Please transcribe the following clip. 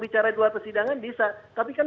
bicara di luar persidangan bisa tapi kan